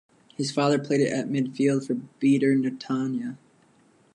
His father played at midfield for Beitar Netanya.